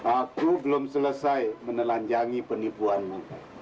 aku belum selesai menelanjangi penipuanmu